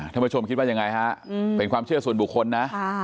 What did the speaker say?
ท่านผู้ชมคิดว่ายังไงฮะเป็นความเชื่อส่วนบุคคลนะ